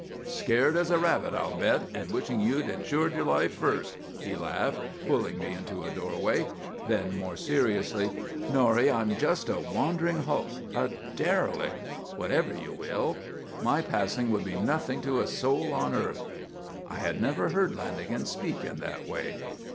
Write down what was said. "Scared as a rabbit, I'll bet, and wishing you'd insured your life first," he laughed, pulling me into a doorway. Then, more seriously, "Norrie, I'm just a wandering hulk, a derelict; whatever you will. My passing would be nothing to a soul on earth." I had never heard Lanagan speak in that way.